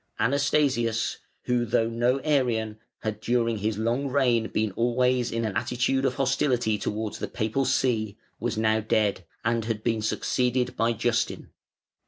Anastasius, who, though no Arian, had during his long reign been always in an attitude of hostility towards the Papal See, was now dead, and had been succeeded by Justin.